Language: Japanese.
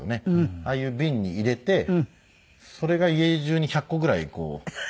ああいう瓶に入れてそれが家中に１００個ぐらいこう。